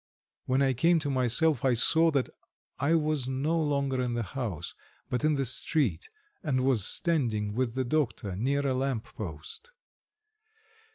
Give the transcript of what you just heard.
When I came to myself I saw that I was no longer in the house, but in the street, and was standing with the doctor near a lamp post.